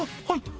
はい。